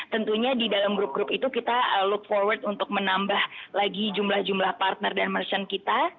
tentunya di dalam grup grup itu kita look forward untuk menambah lagi jumlah jumlah partner dan merchant kita